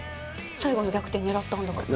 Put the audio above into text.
最後の逆転狙ったんだから。